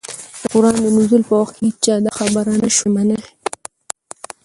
د قرآن د نزول په وخت كي هيچا دا خبره نه شوى منلى